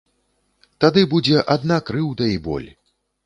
Тады будзе адна крыўда і боль.